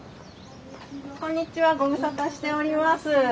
こんにちはご無沙汰しております。